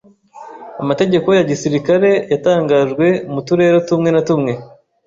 Amategeko ya gisirikare yatangajwe mu turere tumwe na tumwe.